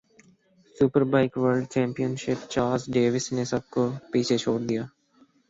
super bike world championship Chaz Davies نے سب کو پیچھے چھوڑ دیا